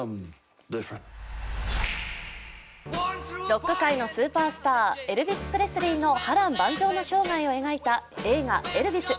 ロック界のスーパースターエルヴィス・プレスリーの波乱万丈な生涯を描いた映画「エルヴィス」。